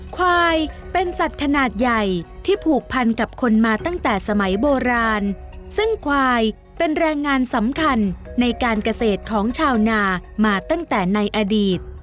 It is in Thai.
ควายเป็นสัตว์ขนาดใหญ่ที่ผูกพันกับคนมาตั้งแต่สมัยโบราณซึ่งควายเป็นแรงงานสำคัญในการเกษตรของชาวนามาตั้งแต่ในอดีต